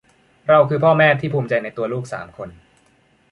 เราคือพ่อแม่ที่ภูมิใจในตัวลูกสามคน